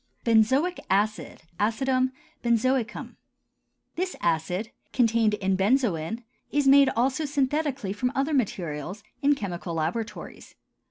BENZOIC ACID (ACIDUM BENZOICUM). This acid, contained in benzoin, is made also synthetically from other materials, in chemical laboratories.